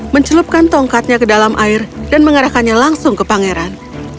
mencelupkan tongkatnya ke dalam air dan mengarahkannya langsung ke pangeran